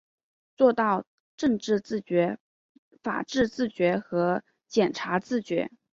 做到政治自觉、法治自觉和检察自觉